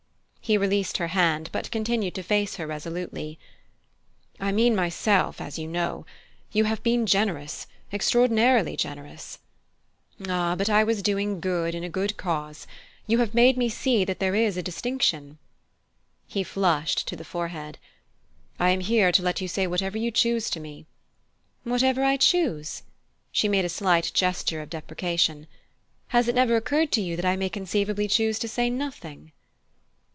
He released her hand, but continued to face her resolutely. "I mean myself, as you know. You have been generous extraordinarily generous." "Ah, but I was doing good in a good cause. You have made me see that there is a distinction." He flushed to the forehead. "I am here to let you say whatever you choose to me." "Whatever I choose?" She made a slight gesture of deprecation. "Has it never occurred to you that I may conceivably choose to say nothing?"